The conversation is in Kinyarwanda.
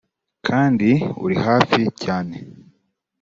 kandi uri hafi cyane